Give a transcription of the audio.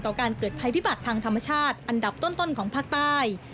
การเกิดภัยพิบัติทางธรรมชาติอันดับต้นของภาคใต้